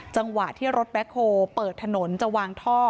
จังหวะที่รถแบ็คโฮลเปิดถนนจะวางท่อ